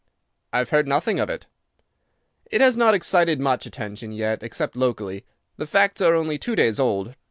"I have heard nothing of it." "It has not excited much attention yet, except locally. The facts are only two days old.